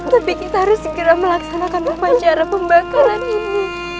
tapi kita harus segera melaksanakan upacara pembakaran ini